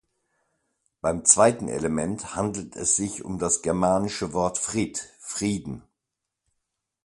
Beim zweiten Element handelt es sich um das germanische Wort "frid" „Frieden“.